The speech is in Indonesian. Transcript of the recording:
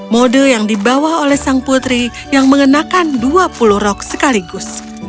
mode yang dibawa oleh sang putri yang mengenakan dua puluh rok sekaligus